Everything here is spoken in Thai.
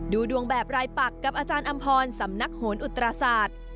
ดูดวงแบบรายปักกับอาจารย์อำพรสำนักโหนอุตราศาสตร์